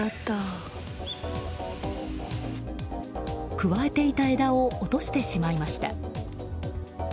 くわえていた枝を落としてしまいました。